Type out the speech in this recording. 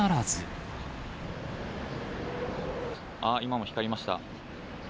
あっ、今も光りました。